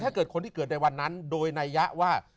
ถ้าเกิดคนที่เกิดในวันนั้นโดยนัยยะว่า